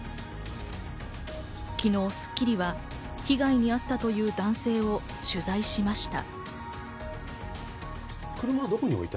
昨日、『スッキリ』は被害にあったという男性を取材しました。